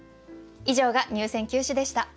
以上が入選九首でした。